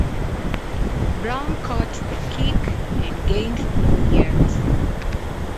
Brown caught the kick and gained no yards.